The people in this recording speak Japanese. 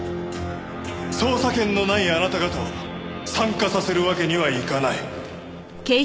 捜査権のないあなた方を参加させるわけにはいかない。